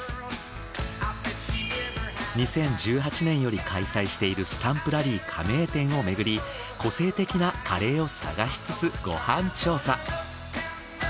２０１８年より開催しているスタンプラリー加盟店をめぐり個性的なカレーを探しつつご飯調査。